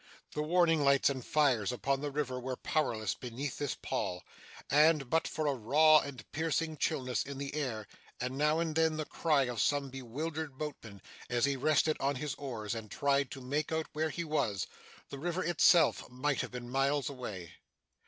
The warning lights and fires upon the river were powerless beneath this pall, and, but for a raw and piercing chillness in the air, and now and then the cry of some bewildered boatman as he rested on his oars and tried to make out where he was, the river itself might have been miles away.